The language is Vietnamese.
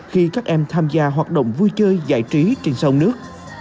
khi các em tham gia hoạt động vui chơi giải trí trên sông nước